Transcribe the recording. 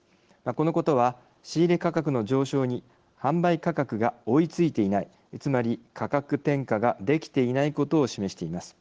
このことは仕入れ価格の上昇に販売価格が追いついていないつまり価格転嫁ができていないことを示しています。